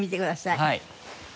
はい。